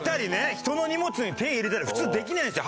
人の荷物に手入れたり普通できないんですよ